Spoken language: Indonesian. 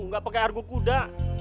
gak pake argo kuda